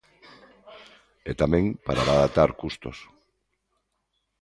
E tamén para abaratar custos.